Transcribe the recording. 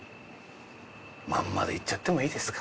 まんまでいっちゃってもいいですか？